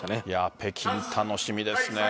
北京、楽しみですね。